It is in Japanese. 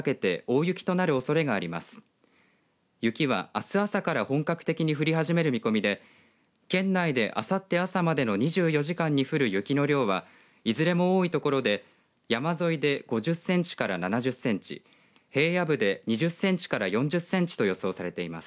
雪はあす朝から本格的に降り始める見込みで県内であさって朝までの２４時間に降る雪の量はいずれも多い所で山沿いで５０センチから７０センチ平野部で２０センチから４０センチと予想されています。